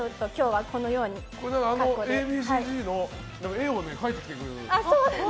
Ａ．Ｂ．Ｃ‐Ｚの絵を描いていてくれて。